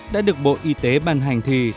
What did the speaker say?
đã được bộ y tế ban hành thì